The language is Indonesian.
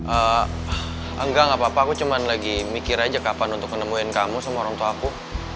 engga gapapa aku cuman lagi mikir aja kapan untuk ketemuin kamu sama orang tua aku